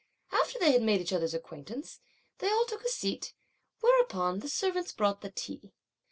After they had made each other's acquaintance, they all took a seat, whereupon the servants brought the tea.